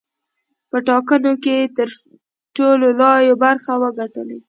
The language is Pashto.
په ټاکنو کې یې د ټولو رایو برخه وګټلې.